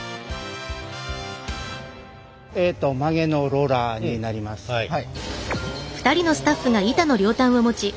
えっと曲げのローラーになります。